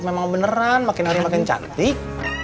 memang beneran makin hari makin cantik